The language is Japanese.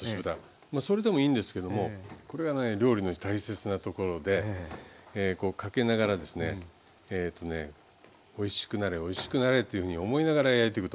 それでもいいんですけどもこれがね料理の大切なところでこうかけながらですねおいしくなれおいしくなれというふうに思いながら焼いていくと。